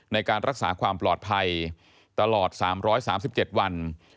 ในการรักษาความปลอดภัยตลอด๓๓๗วัน